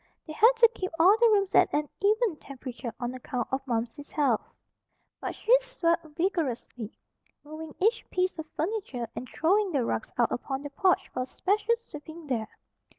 They had to keep all the rooms at an even temperature on account of Momsey's health. But she swept vigorously, moving each piece of furniture, and throwing the rugs out upon the porch for a special sweeping there.